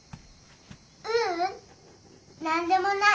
ううんなんでもない。